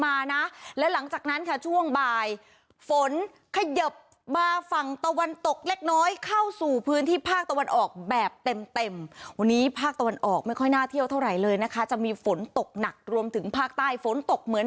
มานะและหลังจากนั้นคะช่วงบายปล่อยขยับมาฝั่งตะวันตกเล็กน้อยเข้าสู่